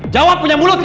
jawab punya mulut kan